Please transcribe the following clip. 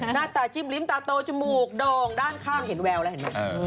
หน้าตาจิ้มลิ้มตาโตจมูกดองด้านข้างเห็นแววแล้วเห็นไหม